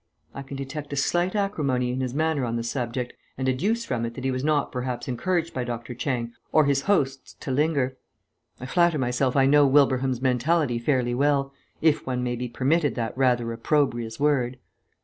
I can detect a slight acrimony in his manner on the subject, and deduce from it that he was not perhaps encouraged by Dr. Chang or his hosts to linger. I flatter myself I know Wilbraham's mentality fairly well if one may be permitted that rather opprobrious word."